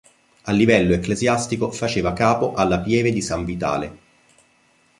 A livello ecclesiastico, faceva capo alla pieve di San Vitale.